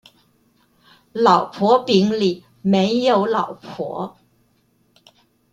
老婆餅裡沒有老婆